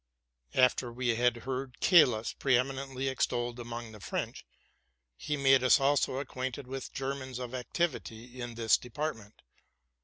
After we had heard Caylus pre eminently extolled among the French, he made us also acquainted with Germans of activity in this department.